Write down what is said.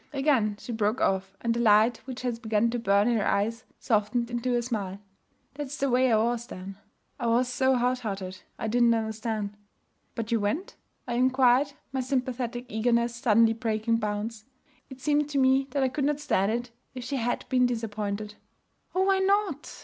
Again she broke off, and the light which had begun to burn in her eyes softened into a smile. 'That's the way I was then. I was so hot hearted. I didn't understand.' 'But you went?' I inquired, my sympathetic eagerness suddenly breaking bounds. It seemed to me that I could not stand it if she had been disappointed. 'Oh! why not?'